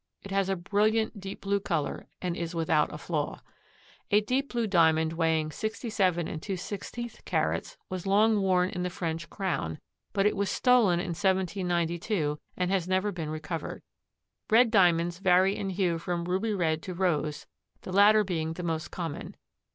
It has a brilliant deep blue color and is without a flaw. A deep blue Diamond weighing 67 2/16 carats was long worn in the French crown, but it was stolen in 1792 and has never been recovered. Red Diamonds vary in hue from ruby red to rose, the latter being the most common.